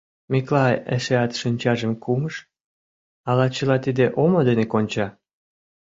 Миклай эшеат шинчажым кумыш — ала чыла тиде омо дене конча?